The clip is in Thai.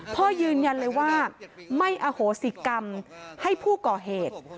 พ่อยืนยันเลยว่าไม่อโหสิกรรมให้ผู้ก่อเหตุ